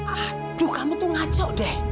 aduh kamu tuh ngaco deh